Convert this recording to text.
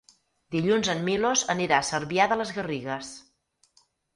Dilluns en Milos anirà a Cervià de les Garrigues.